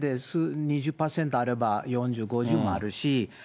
２０％あれば４０、５０もあるし。